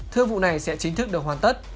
thưa vụ này sẽ chính thức được hoàn tất